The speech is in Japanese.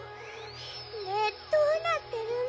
ねえどうなってるの？